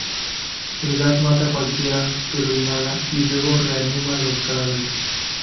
El gas mata a cualquiera que lo inhala y luego reanima los cadáveres.